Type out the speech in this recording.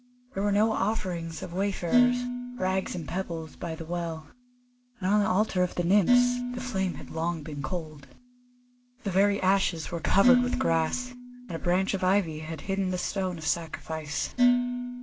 There were no offerings of wayfarers, rags and pebbles, by the well; and on the altar of the Nymphs the flame had long been cold. The very ashes were covered with grass, and a branch of ivy had hidden the stone of sacrifice.